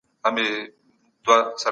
قدرت لرو.